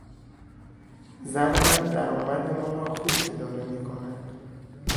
زن من درآمد ما را خوب اداره میکند.